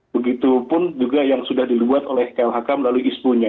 begitu pun juga yang sudah dilakukan oleh klhk melalui ispu nya